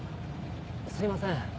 すいません。